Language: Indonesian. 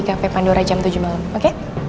tv pandora jam tujuh malam oke